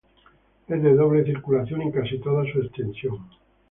Es de doble circulación en casi toda su extensión.